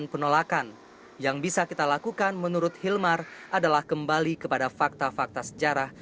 penolakan yang bisa kita lakukan menurut hilmar adalah kembali kepada fakta fakta sejarah